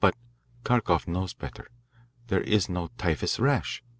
But Kharkoff knows better. There is no typhus rash.